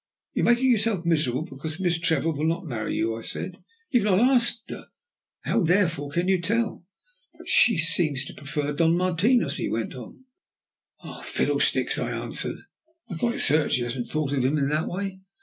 "You are making yourself miserable because Miss Trevor will not marry you," I said. "You have not asked her, how therefore can you tell?" "But she seems to prefer Don Martinos," he went on. "Fiddlesticks!" I answered. "I'm quite certain she hasn't thought of him in that way.